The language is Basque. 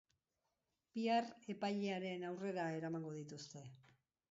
Bihar epailearen aurrera eramango dituzte.